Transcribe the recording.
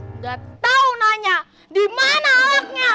udah tahu nanya di mana alatnya